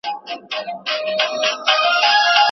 خو خبري آژانسونه ګ